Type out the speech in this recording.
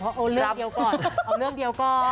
เอาเรื่องเดียวก่อน